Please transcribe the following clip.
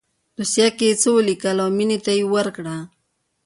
په دوسيه کښې يې څه وليکل او مينې ته يې ورکړه.